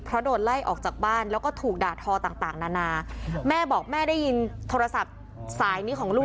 เพราะโดนไล่ออกจากบ้านแล้วก็ถูกด่าทอต่างต่างนานาแม่บอกแม่ได้ยินโทรศัพท์สายนี้ของลูก